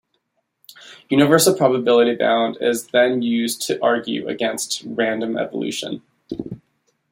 Universal probability bound is then used to argue against random evolution.